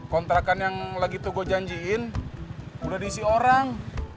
kontrakan yang lagi tuh gue janjiin udah diisi orang